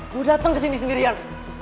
gue dateng kesini sendirian